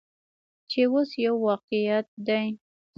چې اوس یو واقعیت دی.